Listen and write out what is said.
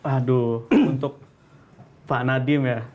aduh untuk pak nadiem ya